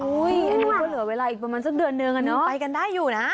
อุ้ยอันนี้ก็เหลือเวลาอีกประมาณสักเดือนหนึ่งอ่ะเนอะ